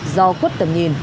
do quất tầm nhìn